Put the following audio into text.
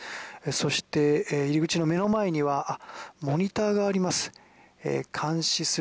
そして、入り口の目の前にはモニターがあります。